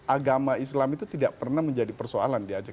agama islam itu tidak pernah menjadi persoalan di aceh